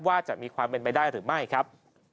ว่าจะมีความเป็นไปได้หรือไม่ครับ